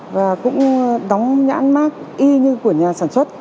và cũng đóng nhãn mát y như của nhà sản xuất